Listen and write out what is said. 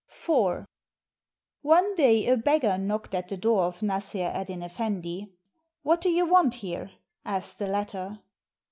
IV One day a beggar knocked at the door of Nassr Eddyn Effendi. "What do you want here?" asked the latter.